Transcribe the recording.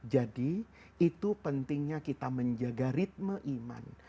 jadi itu pentingnya kita menjaga ritme iman